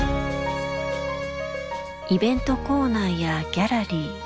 イベントコーナーやギャラリー